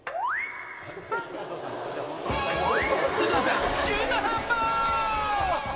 有働さん、中途半端。